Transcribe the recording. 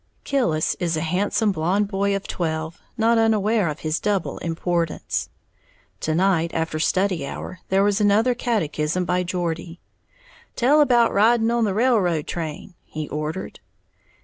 Killis is a handsome blonde boy of twelve, not unaware of his double importance. To night after study hour there was another catechism by Geordie. "Tell about ridin' on the railroad train!" he ordered.